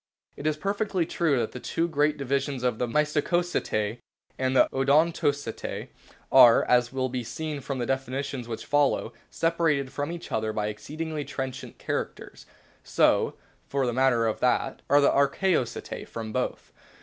It is perfectly true that the two great divisions of the M^stacoceti and the Odontoceti are, as wUl be seen from the definitions which follow, separated from each other by exceedingly trenchant characters ; so, for the matter of that, are the Archaeoceti from both.